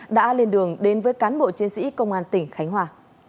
đã lên đường đến với cán bộ chiến sĩ công an tỉnh khánh hòa